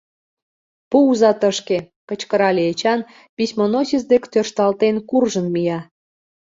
— Пуыза тышке, — кычкырале Эчан, письмоносец дек тӧршталтен куржын мия.